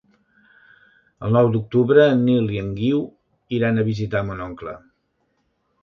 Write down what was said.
El nou d'octubre en Nil i en Guiu iran a visitar mon oncle.